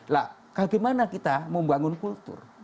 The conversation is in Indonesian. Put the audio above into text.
lah bagaimana kita membangun kultur